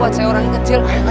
kan saya orang kecil